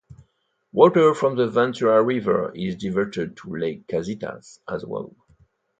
Water from the Ventura River is diverted to Lake Casitas as well.